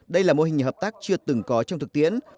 đây là mô hình hợp tác chưa từng có trong thực tiễn